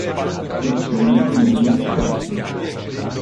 Persone di nome Joachim